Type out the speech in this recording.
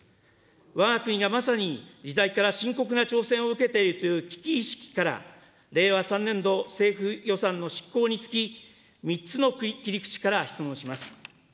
わが国がまさに時代から深刻な挑戦を受けているという危機意識から令和３年度政府予算の執行につき、３つの切り口から質問します。